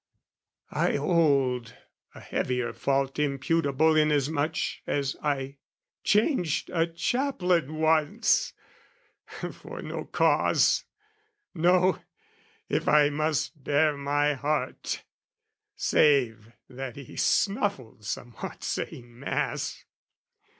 I hold a heavier fault imputable Inasmuch as I changed a chaplain once, For no cause, no, if I must bare my heart, Save that he snuffled somewhat saying mass.